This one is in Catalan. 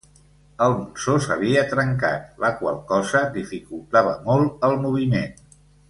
El monsó s'havia trencat, la qual cosa dificultava molt el moviment.